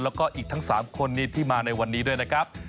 แล้วก็อีกทั้ง๓คนนี้ที่มาในวันนี้ด้วยนะครับ